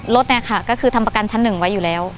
รถเนี่ยค่ะก็คือทำประกันชั้นหนึ่งไว้อยู่แล้ว